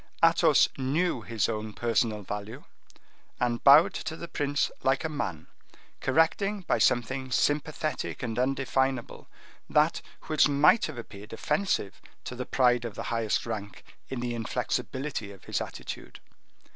Athos knew his own personal value, and bowed to the prince like a man, correcting by something sympathetic and undefinable that which might have appeared offensive to the pride of the highest rank in the inflexibility of his attitude.